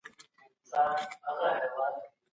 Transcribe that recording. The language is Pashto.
ما دغه نوی لفظ په قاموس کي پیدا کړی.